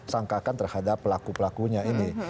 sangkakan terhadap pelaku pelakunya ini